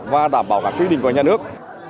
và đảm bảo các quy định của nhà nước